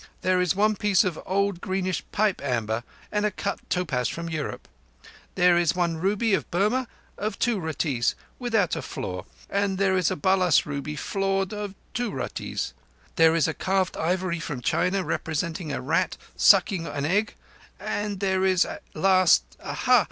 There is one piece of old greenish pipe amber, and a cut topaz from Europe. There is one ruby of Burma, of two ruttees, without a flaw, and there is a balas ruby, flawed, of two ruttees. There is a carved ivory from China representing a rat sucking an egg; and there is last—ah ha!